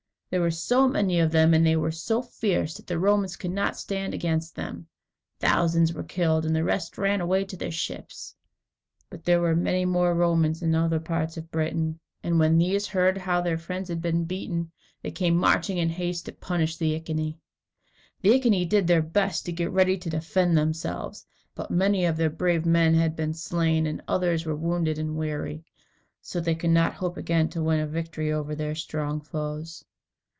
There were so many of them, and they were so fierce, that the Romans could not stand against them. Thousands were killed, and the rest ran away to their ships. But there were many more Romans in other parts of Britain, and when these heard how their friends had been beaten, they came marching in haste to punish the Iceni. The Iceni did their best to get ready to defend themselves, but many of their brave men had been slain and others were wounded and weary, so they could not hope again to win a victory over their strong foes.